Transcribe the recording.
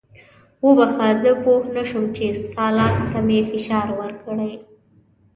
وبخښه زه پوه نه شوم چې ستا لاس ته مې فشار ورکړی.